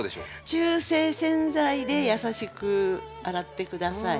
中性洗剤で優しく洗って下さい。